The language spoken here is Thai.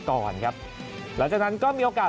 ก่อนครับหลังจากนั้นก็มีโอกาส